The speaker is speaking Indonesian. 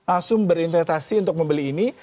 asum berinvestasi untuk membeli ini